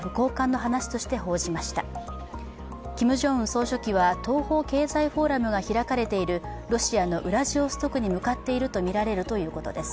総書記は東方経済フォーラムが開かれているロシアのウラジオストクに向かっているとみられるということです。